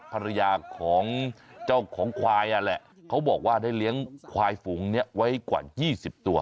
ภรรยาของเจ้าของควายนั่นแหละเขาบอกว่าได้เลี้ยงควายฝูงนี้ไว้กว่า๒๐ตัว